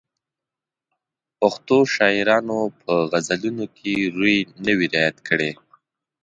پښتو شاعرانو په غزلونو کې روي نه وي رعایت کړی.